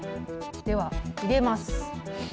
では、入れます。